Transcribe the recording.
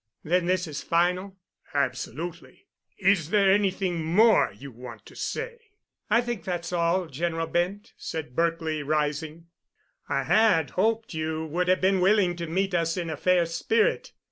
"Then this is final?" "Absolutely. Is there anything more you want to say?" "I think that's all, General Bent," said Berkely, rising. "I had hoped you would have been willing to meet us in a fair spirit.